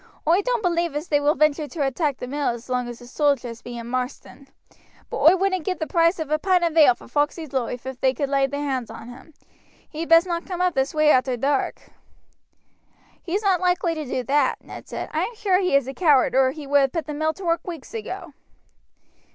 Oi doan't believe as they will venture to attack the mill as long as the sojers be in Marsden; but oi wouldn't give the price of a pint of ale for Foxey's loife ef they could lay their hands on him. He'd best not come up this way arter dark." "He's not likely to do that," Ned said. "I am sure he is a coward or he would have put the mill to work weeks ago."